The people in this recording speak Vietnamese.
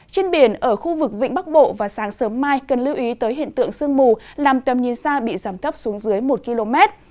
trên biển ở khu vực vĩnh bắc bộ và sáng sớm mai cần lưu ý tới hiện tượng sương mù làm tầm nhìn xa bị giảm thấp xuống dưới một km